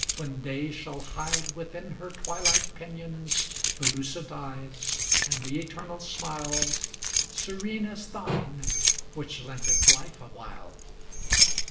When day shall hide within her twilight pinions The lucent eyes, and the eternal smile, Serene as thine, which lent it life awhile.